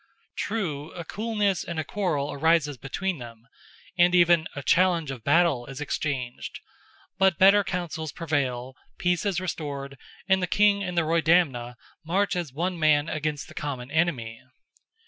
True, a coolness and a quarrel arises between them, and even "a challenge of battle" is exchanged, but better councils prevail, peace is restored, and the king and the Roydamna march as one man against the common enemy.